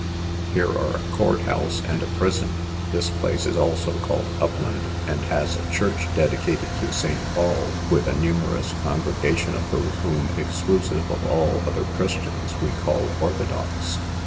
Here are a court house and a prison. This place is also called Upland, and has a church dedicated to St. Paul, with a numerous congregation of those whom, exclusive of all other Christians, we call orthodox.